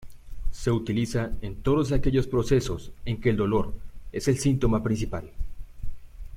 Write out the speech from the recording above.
Se utiliza en todos aquellos procesos en que el dolor es el síntoma principal.